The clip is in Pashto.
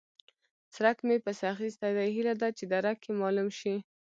څرک مې پسې اخيستی دی؛ هيله ده چې درک يې مالوم شي.